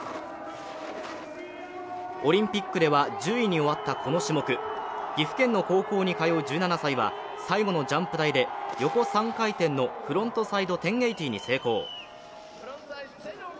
オリンピックでは１０位に終わったこの種目、岐阜県の高校に通う１７歳は、最後のジャンプ台で横３回転のフロントサイド１０８０に成功。